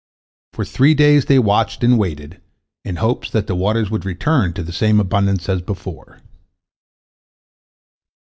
For three days they watched and waited, in the hope that the waters would return in the same abundance as before.